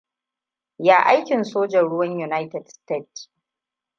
Ya aikin sojin ruwan United Stated.